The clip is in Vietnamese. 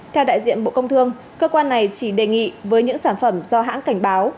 theo đại diện bộ công thương cơ quan này chỉ đề nghị với những sản phẩm do hãng cảnh báo